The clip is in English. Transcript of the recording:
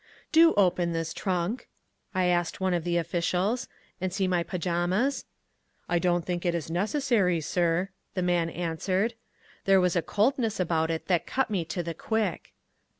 "Do open this trunk," I asked one of the officials, "and see my pyjamas." "I don't think it is necessary, sir," the man answered. There was a coldness about it that cut me to the quick.